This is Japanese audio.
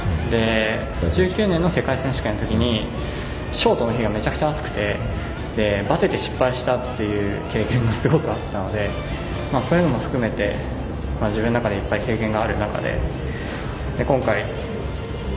１９年の世界選手権のときにショートの日がめちゃくちゃ厚くてバテて失敗したという経験がすごくあったのでそういうのも含めて［今夜の見どころをちょっとだけご紹介！］